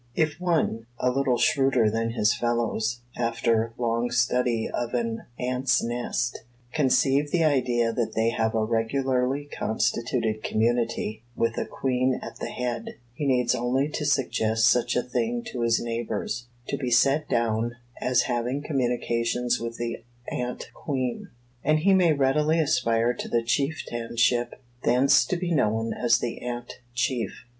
If one, a little shrewder than his fellows, after long study of an ant's nest, conceive the idea that they have a regularly constituted community, with a queen at the head, he needs only to suggest such a thing to his neighbors, to be set down as having communications with the Ant Queen; and he may readily aspire to the chieftainship, thence to be known as the Ant Chief.